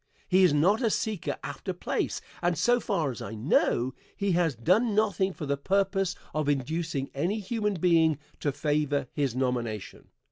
He is not a seeker after place, and, so far as I know, he has done nothing for the purpose of inducing any human being to favor his nomination.